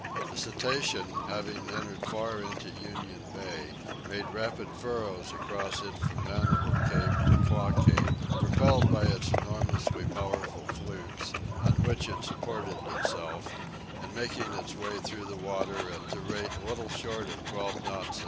The cetacean, having entered far into Union Bay, made rapid furrows across it from Mandible Cape to Claw Cape, propelled by its enormously powerful flukes, on which it supported itself, and making its way through the water at the rate little short of twelve knots.